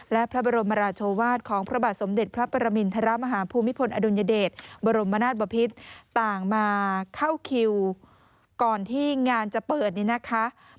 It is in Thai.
และพระบรมราชวาสของพระบาทสมเด็จพระปรมินทรมาฮภูมิพลอดุลยเดชบรมนาศบพิษต่างมาเข้าคิวก่อนที่งานจะเปิดนี่นะคะ